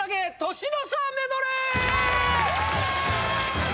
年の差メドレー